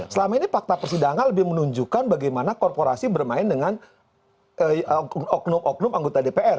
selama ini fakta persidangan lebih menunjukkan bagaimana korporasi bermain dengan oknum oknum anggota dpr